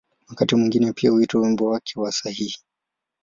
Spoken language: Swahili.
Wakati mwingine pia huitwa ‘’wimbo wake wa sahihi’’.